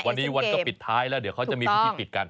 วันนี้วันก็ปิดท้ายแล้วเดี๋ยวเขาจะมีพิธีปิดกัน